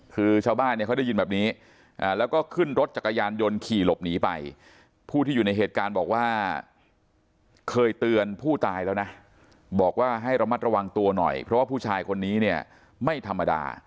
คือชาวบ้านเนี่ยเขาได้ยินแบบนี้แล้วก็ขึ้นรถจักรยานยนต์ขี่หลบหนีไปผู้ที่อยู่ในเหตุการณ์บอกว่าเคยเตือนผู้ตายแล้วนะบอกว่าให้ระมัดระวังตัวหน่อยเพราะว่าผู้ชายคนนี้เนี่ยไม่ธรรมดา